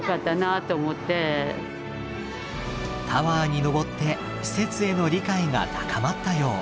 タワーにのぼって施設への理解が高まったよう。